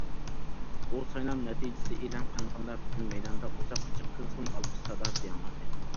بۇ سايلام نەتىجىسى ئېلان قىلىنغاندا، پۈتۈن مەيداندا ئۇزاققىچە قىزغىن ئالقىش ساداسى ياڭرىدى.